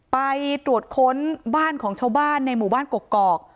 ไปตรวจค้นบ้านของชาวบ้านในหมู่บ้านกกอก